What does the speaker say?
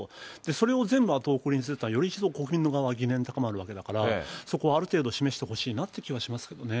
それを全部あと送りにするというのは、より一層、国民の側は疑念高まるわけだから、そこはある程度示してほしいなって気はしますけどね。